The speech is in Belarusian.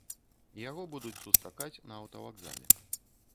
Яго будуць сустракаць на аўтавакзале.